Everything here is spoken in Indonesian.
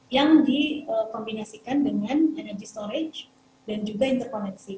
yang dikombinasikan dengan energi storage dan juga interkoneksi